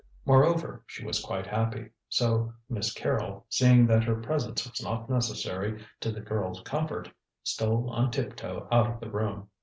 However, she was quite happy, so Miss Carrol, seeing that her presence was not necessary to the girl's comfort, stole on tip toe out of the room.